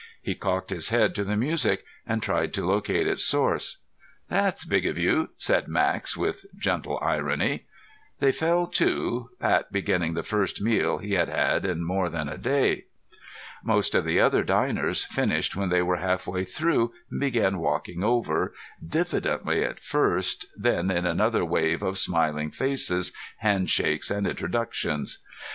He cocked his head to the music, and tried to locate its source. "That's big of you," said Max with gentle irony. They fell to, Pat beginning the first meal he had had in more than a day. Most of the other diners finished when they were halfway through, and began walking over, diffidently at first, then in another wave of smiling faces, handshakes, and introductions.